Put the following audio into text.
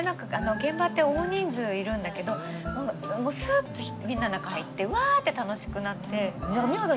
現場って大人数いるんだけどもうすっとみんなの中入ってうわって楽しくなって。